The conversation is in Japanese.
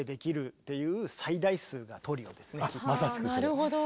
なるほど。